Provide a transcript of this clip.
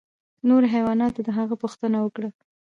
نورو حیواناتو د هغه پوښتنه وکړه.